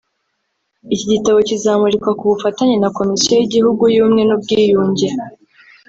Iki gitabo kizamurikwa ku bufatanye na Komisiyo y’igihugu y’ubumwe n’ubwiyunge